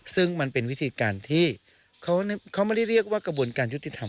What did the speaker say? ซึ่งมันเป็นวิธีการที่เขาไม่ได้เรียกว่ากระบวนการยุติธรรม